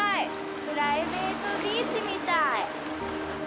プライベートビーチみたい。